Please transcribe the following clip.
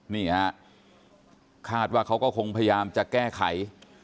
นี่ฮะคาดว่าเขาก็คงพยายามจะแก้ไข